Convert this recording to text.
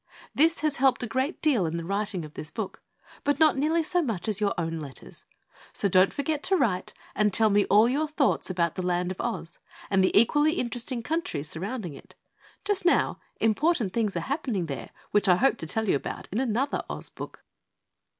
This has helped a great deal in the writing of this book but not nearly so much as your own letters. So don't forget to write and tell me all your thoughts about the Land of Oz and the equally interesting countries surrounding it. Just now, important things are happening there which I hope to tell you about in another Oz book.